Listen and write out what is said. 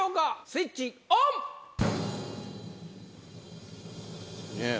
スイッチオン！ねぇ